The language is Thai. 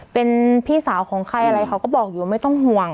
เป็นพี่สาวของใครอะไรเขาก็บอกอยู่ไม่ต้องห่วง